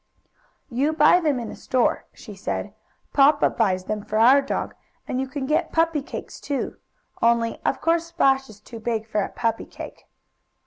"You buy them in a store," she said. "Papa buys them for our dog, and you can get puppy cakes, too. Only of course Splash is too big for a puppy cake."